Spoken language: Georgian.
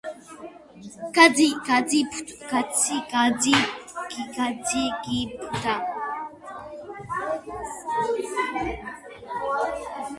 გაძგიფვა დეკემბრის ბოლოდან ივნისამდე.